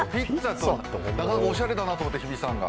なかなかおしゃれだなと思って日比さんが。